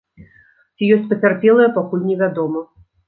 Ці ёсць пацярпелыя, пакуль невядома.